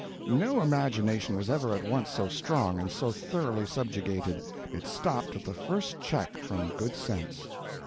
No imagination was ever at once so strong and so thoroughly subjugated. It stopped at the first check from good sense.